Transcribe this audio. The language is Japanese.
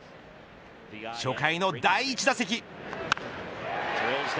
初回の第１打席。